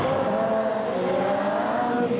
โอ้โอ้